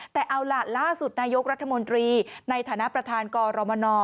แต่เอาล่ะล่าสุดนายกรัฐมนตรีในฐานะประธานกรมน